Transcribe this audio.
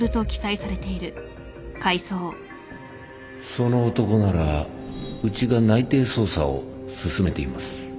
その男ならうちが内偵捜査を進めています